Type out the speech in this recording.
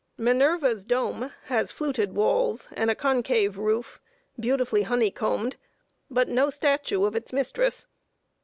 Minerva's Dome has fluted walls, and a concave roof, beautifully honey combed; but no statue of its mistress.